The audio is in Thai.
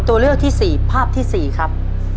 ตัวเลือกที่สี่ภาพที่สี่ครับ